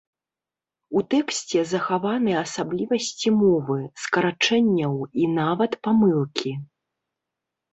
У тэксце захаваны асаблівасці мовы, скарачэнняў і нават памылкі.